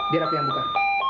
biar aku yang buka